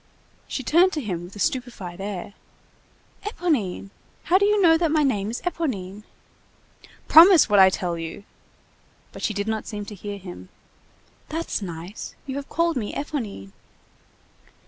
She turned to him with a stupefied air. "Éponine! How do you know that my name is Éponine?" "Promise what I tell you!" But she did not seem to hear him. "That's nice! You have called me Éponine!"